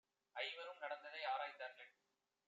ஐவரும் நடந்ததை ஆராய்ந் தார்கள்.